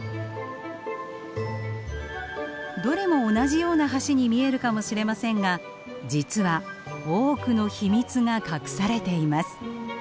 どれも同じような橋に見えるかもしれませんが実は多くの秘密が隠されています。